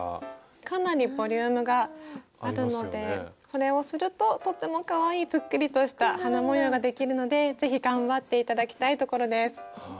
かなりボリュームがあるのでこれをするととってもかわいいぷっくりとした花模様ができるので是非頑張って頂きたいところです。